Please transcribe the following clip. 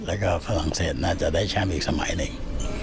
แล้วก็ฝรั่งเศสน่าจะได้แชมป์อีกสมัยหนึ่ง